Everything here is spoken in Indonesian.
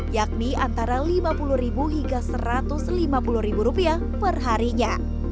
yakni antara lima puluh hingga rp satu ratus lima puluh perharinya